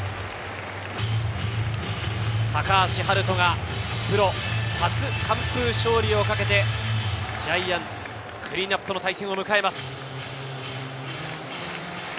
高橋遥人がプロ初の完封勝利をかけてジャイアンツ、クリーンナップとの対戦を迎えます。